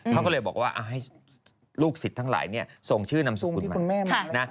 เขาก็เลยบอกว่าให้ลูกศิษย์ทั้งหลายส่งชื่อนำสกุลมานะ